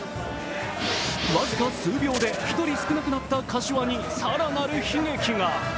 僅か数秒で１人少なくなった柏に更なる悲劇が。